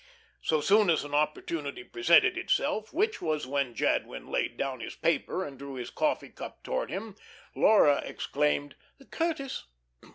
So soon as an opportunity presented itself, which was when Jadwin laid down his paper and drew his coffee cup towards him, Laura exclaimed: "Curtis."